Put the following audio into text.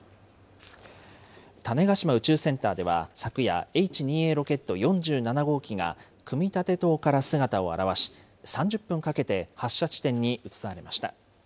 種子島宇宙センターでは昨夜、Ｈ２Ａロケット４７号機が、組み立て棟から姿を現し、３０分かけて発射地点に移されました。